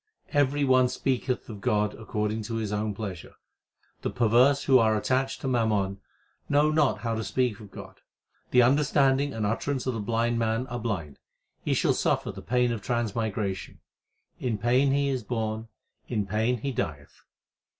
Every one speak eth of God according to his own pleasure. The perverse who are attached to mammon, know not how to speak of God. The understanding and utterance of the blind man are blind ; he shall suffer the pain of transmigration. In pain he is born, in pain he dieth.